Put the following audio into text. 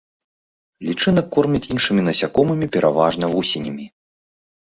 Лічынак кормяць іншымі насякомымі, пераважна вусенямі.